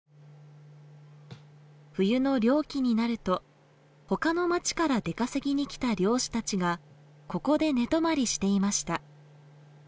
冬の漁期になると他の町から出稼ぎに来た漁師たちがここで寝泊まりしていました。